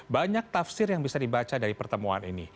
banyak tafsir yang bisa dibaca dari pertemuan ini